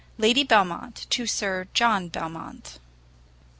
] LADY BELMONT TO SIR JOHN BELMONT.